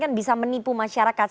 kan bisa menipu masyarakat